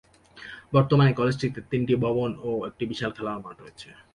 বর্তমানে কলেজটিতে তিনটি ভবন ও একটি বিশাল খেলার মাঠ রয়েছে।